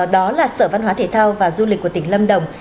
đó là sở văn hóa thể thao và du lịch của tỉnh lâm đồng